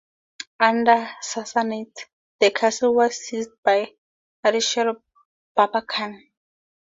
Under the Sassanids, the castle was seized by Ardeshir Babakan.